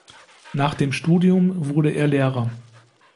Nach dem Studium wurde er Lehrer.